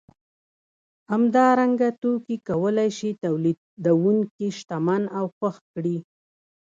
همدارنګه توکي کولای شي تولیدونکی شتمن او خوښ کړي